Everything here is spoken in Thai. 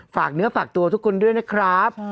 ฝากเนื้อฝากตัวทุกคนด้วยนะครับ